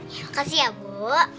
ya makasih ya bu